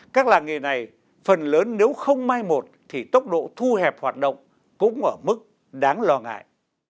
các làng nghề này phần lớn nếu không mai một thì tốc độ thu hẹp hoạt động cũng ở mức đáng lo ngại